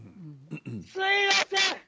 すみません。